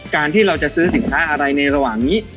การที่เราจะซื้อสินค้าอะไรในระหว่างนี้